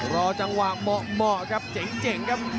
รอจังหวะเหมาะครับเจ๋งครับ